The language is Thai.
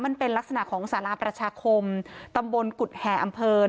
มันเป็นลักษณะของสาราประชาคมตำบลกุฎแห่อำเภอ